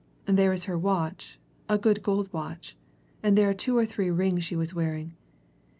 There is her watch a good gold watch and there are two or three rings she was wearing.